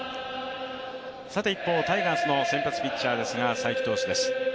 一方のタイガースの先発ピッチャーですが才木投手です。